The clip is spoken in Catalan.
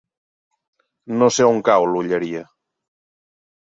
No sé on cau l'Olleria.